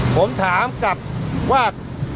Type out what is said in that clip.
ผมถามกลับว่า